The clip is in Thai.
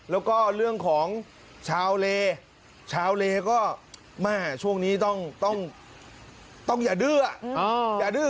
แล้วก็เรื่องของชาวเลชาวเลก็มาช่วงนี้ต้องต้องต้องอย่าดื้ออ๋อ